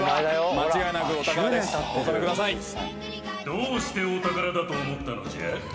「どうしてお宝だと思ったのじゃ？」